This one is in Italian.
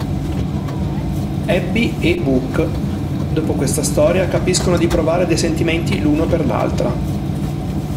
Abby e Buck, dopo questa storia, capiscono di provare dei sentimenti l'uno per l'altra.